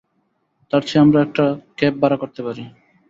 তারচেয়ে আমরা একটা ক্যাব ভাড়া করতে পারি।